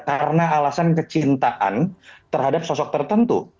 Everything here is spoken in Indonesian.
karena alasan kecintaan terhadap sosok tertentu